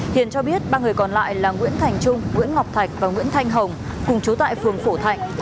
hiền cho biết ba người còn lại là nguyễn thành trung nguyễn ngọc thạch và nguyễn thanh hồng cùng chú tại phường phổ thạnh